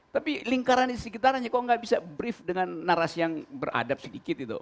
tapi lingkaran di sekitarannya kok nggak bisa brief dengan narasi yang beradab sedikit itu